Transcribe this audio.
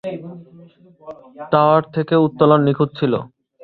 Tower থেকে উত্তোলন নিখুঁত ছিল।